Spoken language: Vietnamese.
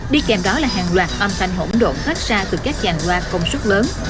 đi kèm đó là hàng loạt âm thanh hỗn độn thoát ra từ các dàn loa công suất lớn